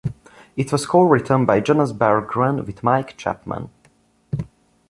It was co-written by Jonas Berggren with Mike Chapman.